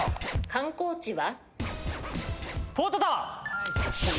観光地は？